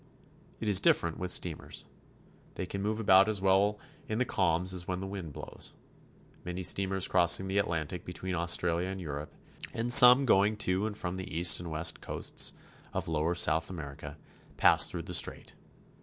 It is different with steamers. They can move as well in the calms as when the wind blows. Many steamers cross ing the Atlantic between Australia and Europe, and some going to and from the east and west coasts of lower South America, pass through the strait.